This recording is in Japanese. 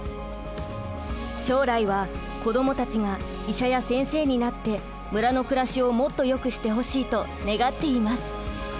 将来は子供たちが医者や先生になって村の暮らしをもっとよくしてほしいと願っています。